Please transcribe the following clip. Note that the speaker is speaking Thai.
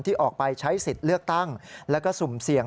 ออกไปใช้สิทธิ์เลือกตั้งแล้วก็สุ่มเสี่ยง